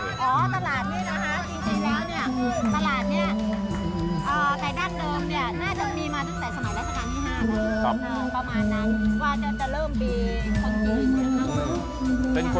ตลาดนี้นะคะจริงแล้วตลาดในด้านเดิม